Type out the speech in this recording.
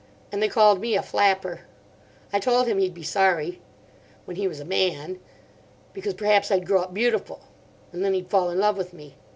And they called me a flapper. I told him he'd be sorry. When he was a man. Because perhaps I'd grow up beautiful. And then he'd fall in love with me.